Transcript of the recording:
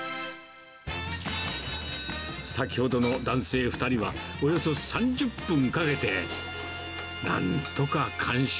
先ほどの男性２人は、およそ３０分かけて、なんとか完食。